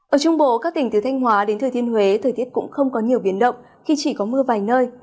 ở trung bộ các tỉnh từ thanh hóa đến thừa thiên huế thời tiết cũng không có nhiều biến động khi chỉ có mưa vài nơi